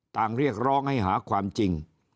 เรียกร้องให้หาความจริง